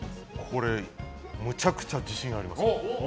これむちゃくちゃ自信あります。